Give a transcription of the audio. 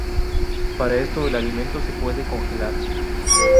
Para esto, el alimento se puede congelar.